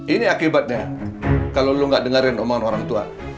ini akibatnya kalau lo gak dengerin omongan orang tua